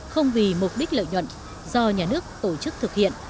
không vì mục đích lợi nhuận do nhà nước tổ chức thực hiện